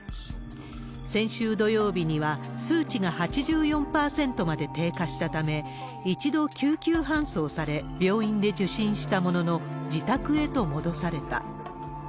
先週土曜日には数値が８４％まで低下したため、一度、救急搬送され、病院で受診したものの、自宅へと戻された。